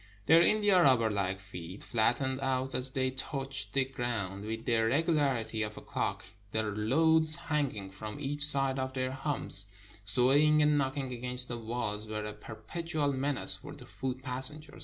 Their india rubber hke feet flattened out as they touched the ground with the regularity of a clock; the loads hanging from each side of their humps, swaying and knocking against the walls, were a perpetual menace for the foot passenger.